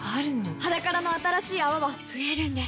「ｈａｄａｋａｒａ」の新しい泡は増えるんです